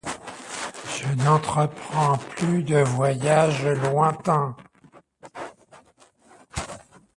Il n'entreprend plus de voyages lointains.